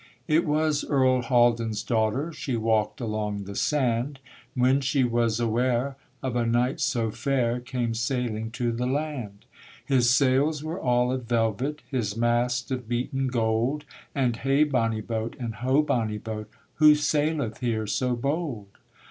It was Earl Haldan's daughter, She walked along the sand; When she was aware of a knight so fair, Came sailing to the land. His sails were all of velvet, His mast of beaten gold, And 'Hey bonny boat, and ho bonny boat! Who saileth here so bold?'